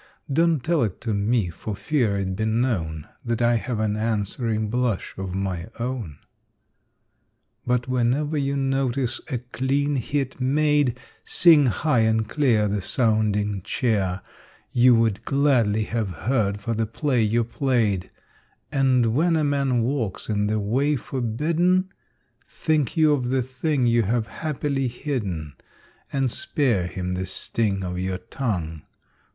Don't tell it to me, for fear it be known That I have an answering blush of my own. But whenever you notice a clean hit made, Sing high and clear The sounding cheer You would gladly have heard for the play you played, And when a man walks in the way forbidden, Think you of the thing you have happily hidden And spare him the sting of your tongue.